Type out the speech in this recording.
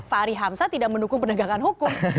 fahri hamsa tidak mendukung pendekatan hukum